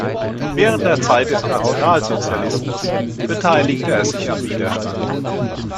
Während der Zeit des Nationalsozialismus beteiligte er sich am Widerstand.